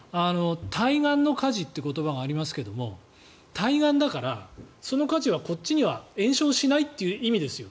対岸の火事という言葉がありますけど対岸だからその火事はこっちには延焼しないという意味ですよ